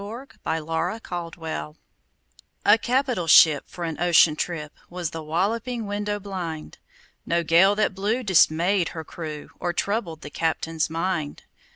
Y Z A Nautical Ballad A CAPITAL ship for an ocean trip Was The Walloping Window blind No gale that blew dismayed her crew Or troubled the captain's mind.